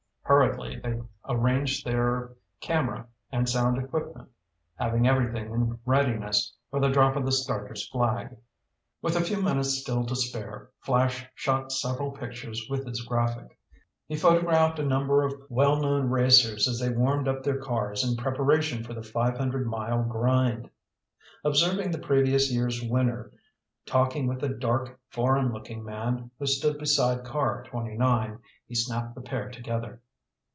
Hurriedly they arranged their camera and sound equipment, having everything in readiness for the drop of the starter's flag. With a few minutes still to spare, Flash shot several pictures with his Graphic. He photographed a number of well known racers as they warmed up their cars in preparation for the five hundred mile grind. Observing the previous year's winner talking with a dark, foreign looking man who stood beside car 29, he snapped the pair together.